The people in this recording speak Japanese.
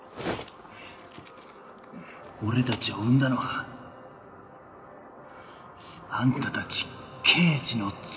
俺たちを生んだのはあんたたち刑事の罪なんだよ。